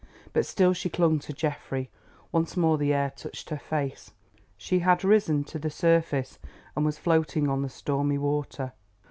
But still she clung to Geoffrey. Once more the air touched her face. She had risen to the surface and was floating on the stormy water.